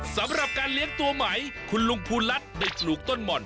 สำหรับการเลี้ยงตัวใหม่คุณลุงภูรัฐได้ปลูกต้นหม่อน